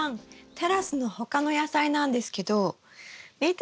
テラスの他の野菜なんですけど見て下さい！